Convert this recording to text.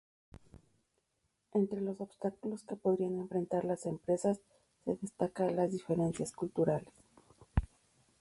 Entre los obstáculos que podrían enfrentar las empresas se destaca las diferencias culturales.